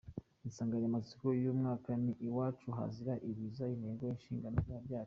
Insanganyamatsiko y’uyu mwaka ni “Iwacu hazira ibiza, Intego n’Inshingano byacu.”